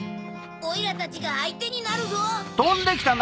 おいらたちがあいてになるぞ！